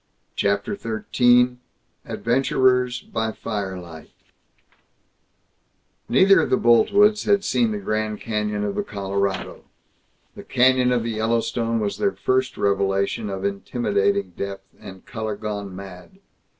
CHAPTER XIII ADVENTURERS BY FIRELIGHT Neither of the Boltwoods had seen the Grand Canyon of the Colorado. The Canyon of the Yellowstone was their first revelation of intimidating depth and color gone mad.